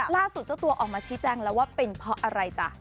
เจ้าตัวออกมาชี้แจ้งแล้วว่าเป็นเพราะอะไรจ้ะ